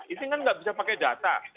itu kan nggak bisa pakai data